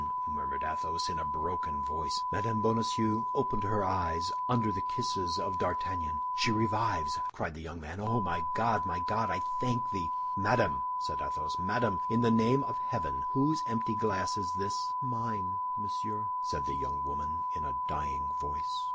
murmured Athos, in a broken voice. Mme. Bonacieux opened her eyes under the kisses of D'Artagnan. "She revives!" cried the young man. "Oh, my God, my God, I thank thee!" "Madame!" said Athos, "madame, in the name of heaven, whose empty glass is this?" "Mine, monsieur," said the young woman, in a dying voice.